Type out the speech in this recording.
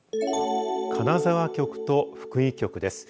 金沢局と福井局です。